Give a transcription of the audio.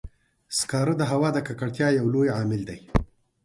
سکاره د هوا د ککړتیا یو لوی عامل دی.